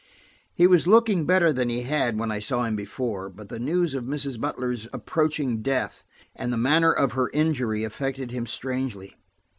He was looking better than he had when I saw him before, but the news of Mrs. Butler's approaching death and the manner of her injury affected him strangely.